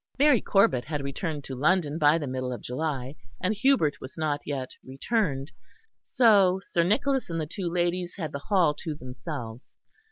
Mary Corbet had returned to London by the middle of July; and Hubert was not yet returned; so Sir Nicholas and the two ladies had the Hall to themselves.